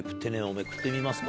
めくってみますか。